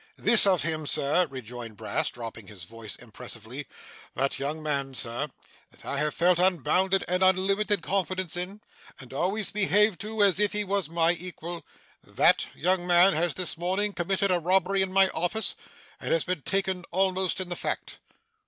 'This of him, sir,' rejoined Brass, dropping his voice impressively. 'That young man, sir, that I have felt unbounded and unlimited confidence in, and always behaved to as if he was my equal that young man has this morning committed a robbery in my office, and been taken almost in the fact.